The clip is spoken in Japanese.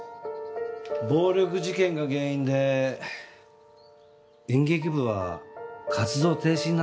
暴力事件が原因で演劇部は活動停止になったそうですね？